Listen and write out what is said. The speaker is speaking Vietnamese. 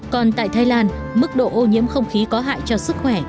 còn tại thái lan mức độ ô nhiễm không khí có hại cho sức khỏe